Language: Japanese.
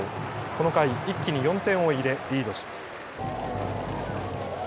この回、一気に４点を入れリードします。